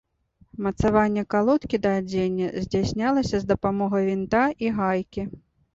Мацаванне калодкі да адзення здзяйснялася з дапамогай вінта і гайкі.